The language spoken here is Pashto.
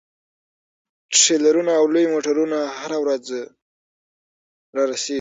ټریلرونه او لوی موټرونه هره ورځ رارسیږي